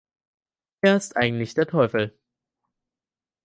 Er ist eigentlich der Teufel.